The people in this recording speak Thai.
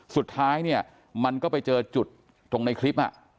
สุดท้ายเนี่ยมันก็ไปเจอจุดตรงในคลิป